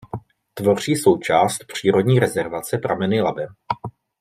Tvoří součást přírodní rezervace Prameny Labe.